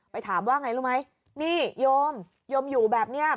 ไปถามว่าไงรู้ไหมนี่โยมโยมอยู่แบบเนี้ย